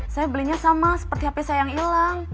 saya belinya sama seperti hp saya yang hilang